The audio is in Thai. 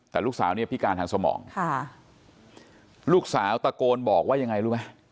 แต่ลูกสาวเนี่ยพิการทางสมองค่ะลูกสาวตะโกนบอกว่ายังไงรู้ไหม